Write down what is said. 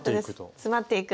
詰まっていく。